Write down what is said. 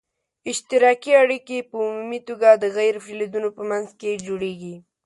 اشتراکي اړیکي په عمومي توګه د غیر فلزونو په منځ کې جوړیږي.